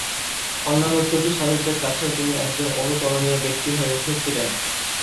অন্যান্য সুফি সাধকদের কাছেও তিনি একজন অনুকরণীয় ব্যক্তি হয়ে উঠেছিলেন।